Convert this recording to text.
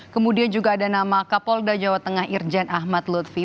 kemudian juga ada nama kapolda jawa tengah irjen ahmad lutfi